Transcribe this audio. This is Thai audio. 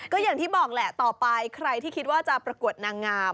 ก็อย่างที่บอกแหละต่อไปใครที่คิดว่าจะประกวดนางงาม